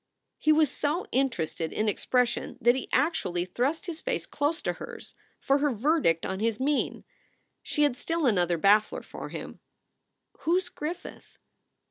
He was so interested in expression that he actually thrust his face close to hers for her verdict on his mien. She had still another baffler for him: "Who s Griffith?"